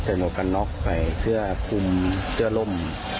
เสียงบลงก็น็อคใส่เสื้อคุมเสื้อร่ม